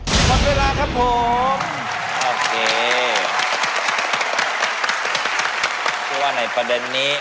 เพราะว่าในประเด็นนี้